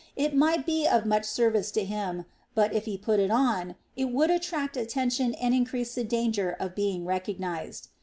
It might be of much service to him but, if he put it on, it would attract attention and increase the danger of being recognized.